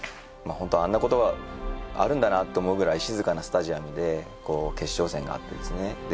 ホントあんなことがあるんだなと思うくらい静かなスタジアムで決勝戦があってですね